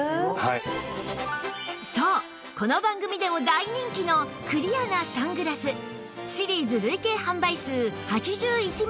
そうこの番組でも大人気のクリアなサングラスシリーズ累計販売数８１万